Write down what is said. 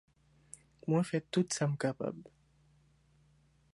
Mwen fè tout sa'm kapab